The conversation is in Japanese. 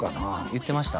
言ってました？